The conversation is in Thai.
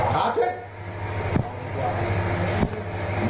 ขาเช็ด